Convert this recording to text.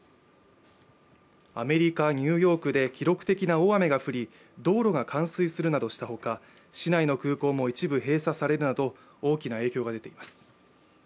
アメリカ・ニューヨークで記録的な大雨が降り、道路が冠水するなどしたほか、市内の空港も一部閉鎖されるなど大きな影響が出ています。